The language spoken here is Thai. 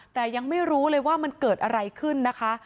แต่ยังไม่รู้เลยว่ามันเกิดอะไรขึ้นนะคะ